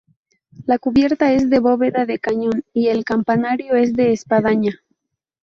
La cubierta es de bóveda de cañón y el campanario es de espadaña.